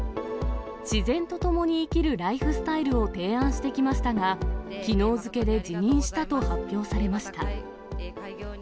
自然とともに生きるライフスタイルを提案してきましたが、きのう付けで辞任したと発表されました。